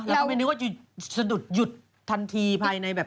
แล้วก็ไม่นึกว่าจะสะดุดหยุดทันทีภายในแบบ